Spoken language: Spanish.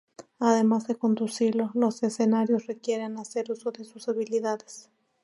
Además de conducirlo, los escenarios requieren hacer uso de sus habilidades.